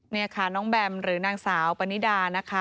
นี่ค่ะน้องแบมหรือนางสาวปนิดานะคะ